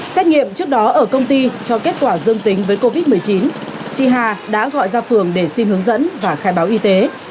xét nghiệm trước đó ở công ty cho kết quả dương tính với covid một mươi chín chị hà đã gọi ra phường để xin hướng dẫn và khai báo y tế